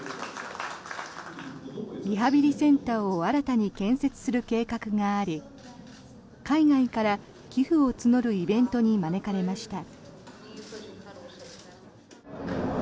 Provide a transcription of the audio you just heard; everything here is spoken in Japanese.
リハビリセンターを新たに建設する計画があり海外から寄付を募るイベントに招かれました。